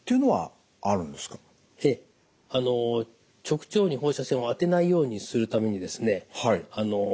直腸に放射線を当てないようにするためにですね